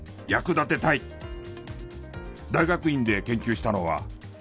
大学院で研究したのは。